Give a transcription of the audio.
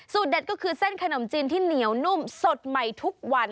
เด็ดก็คือเส้นขนมจีนที่เหนียวนุ่มสดใหม่ทุกวัน